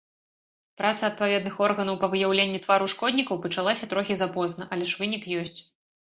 Праца адпаведных органаў па выяўленні твару шкоднікаў пачалася трохі запозна, але ж вынік ёсць.